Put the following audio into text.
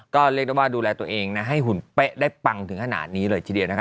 ก็เรียกได้ว่าดูแลตัวเองนะให้หุ่นเป๊ะได้ปังถึงขนาดนี้เลยทีเดียวนะคะ